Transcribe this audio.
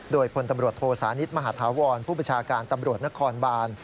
โดยพลตำรวจโทสานิทมหาธาวรผู้ประชาการตำรวจนครบาน